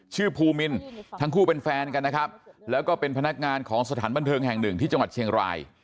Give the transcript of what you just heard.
ภูมินทั้งคู่เป็นแฟนกันนะครับแล้วก็เป็นพนักงานของสถานบันเทิงแห่งหนึ่งที่จังหวัดเชียงราย